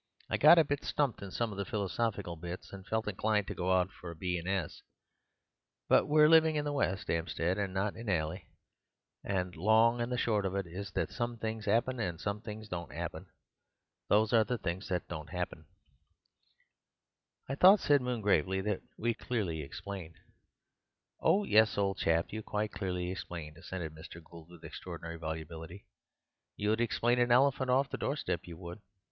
I got a bit stumped in some of the philosophical bits and felt inclined to go out for a B. and S. But we're living in West 'Ampstead and not in 'Ell; and the long and the short of it is that some things 'appen and some things don't 'appen. Those are the things that don't 'appen." "I thought," said Moon gravely, "that we quite clearly explained—" "Oh yes, old chap, you quite clearly explained," assented Mr. Gould with extraordinary volubility. "You'd explain an elephant off the doorstep, you would.